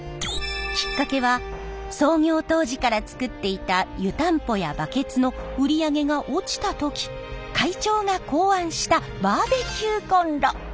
きっかけは創業当時から作っていた湯たんぽやバケツの売り上げが落ちた時会長が考案したバーベキューコンロ。